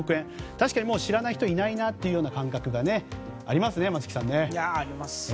確かに知らない人はいないなという感覚がありますよね、松木さん。ありますよね。